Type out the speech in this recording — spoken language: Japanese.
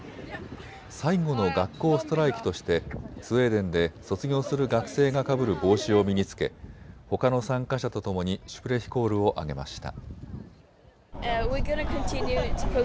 最後の学校ストライキとしてスウェーデンで卒業する学生がかぶる帽子を身に着けほかの参加者とともにシュプレヒコールを上げました。